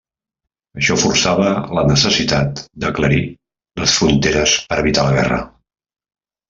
Això forçava la necessitat d'aclarir les fronteres per evitar la guerra.